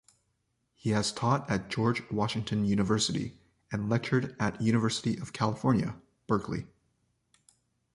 He has taught at George Washington University, and lectured at University of California, Berkeley.